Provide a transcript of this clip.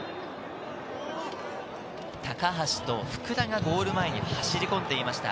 高橋と福田がゴール前に走り込んでいました。